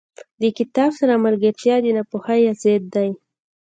• د کتاب سره ملګرتیا، د ناپوهۍ ضد دی.